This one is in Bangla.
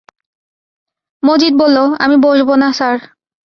মজিদ বলল, আমি বসব না স্যার।